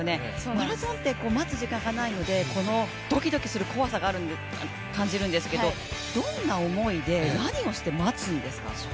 マラソンって待つ時間がないのでドキドキする怖さがあると感じるんですけど、どんな思いで、何をして待つんですか？